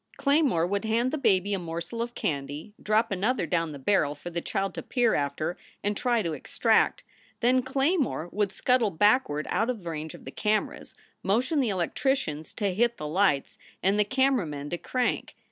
Claymore would hand the baby a morsel of candy, drop another down the barrel for the child to peer after and try to extract. Then Claymore would scuttle backward out of the range of the cameras, motion the electricians to hit the lights and the camera men to crank.